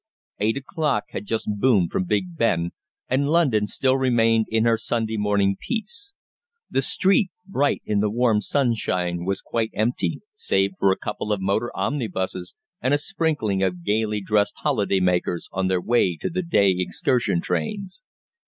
Eight o'clock had just boomed from Big Ben, and London still remained in her Sunday morning peace. The street, bright in the warm sunshine, was quite empty, save for a couple of motor omnibuses and a sprinkling of gaily dressed holiday makers on their way to the day excursion trains.